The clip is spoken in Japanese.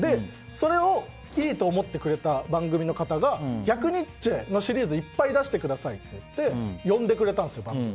それをいいと思ってくれた番組の方が逆ニッチェのシリーズをいっぱい出してくださいって言って呼んでくれたんですよ。